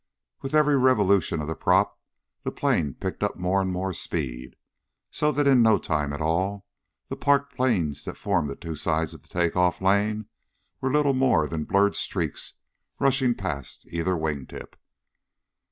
With every revolution of the prop the plane picked up more and more speed, so that in no time at all the parked planes that formed the two sides of the take off lane were little more than blurred streaks rushing past either wingtip.